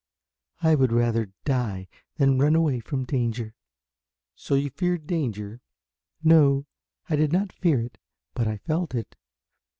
"I would rather die than run away from danger." "So you feared danger?" "No, I did not fear it, but I felt it.